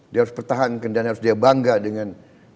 dia harus pertahankan dan dia harus bangga dengan